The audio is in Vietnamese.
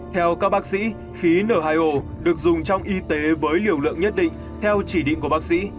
theo các bác sĩ khí n hai o được dùng trong y tế với liều lượng nhất định theo chỉ định của bác sĩ